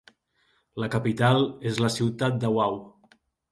La capital és la ciutat de Wau.